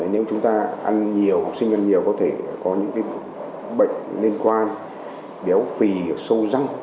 nếu chúng ta ăn nhiều học sinh ăn nhiều có thể có những bệnh liên quan béo phì sâu răng